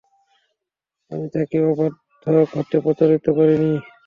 আমি তাকে অবাধ্য হতে প্ররোচিত করিনি।